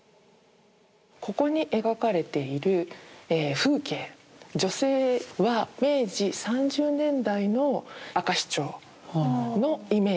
ここに描かれている風景女性は明治３０年代の明石町のイメージで描かれている。